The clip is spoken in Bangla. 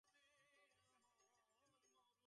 তবে এইরূপ জ্ঞান-সাধনে একটি বিপদের আশঙ্কা আছে।